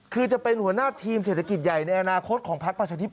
คือจะเป็นหัวหน้าทีมเศรษฐกิจใหญ่ในอนาคตของพักประชาธิปัต